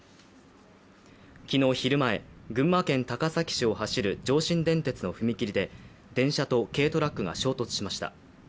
昨日昼前、群馬県高崎市を走る上信電鉄の踏切で電車と軽トラックが衝突しました。